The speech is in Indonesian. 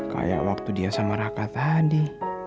kayak waktu dia sama raka tadi